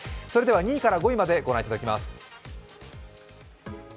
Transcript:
２位から５位までご覧いただきます。